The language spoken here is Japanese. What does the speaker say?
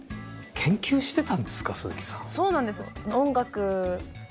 そうなんです。